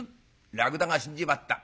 「『らくだが死んじまった。